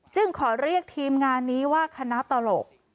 ขอเรียกทีมงานนี้ว่าคณะตลก